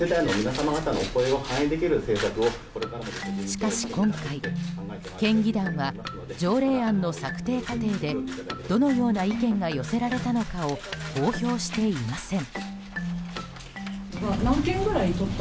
しかし今回、県議団は条例案の策定過程でどのような意見が寄せられたのかを公表していません。